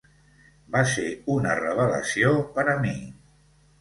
Va ser una revelació per a mi.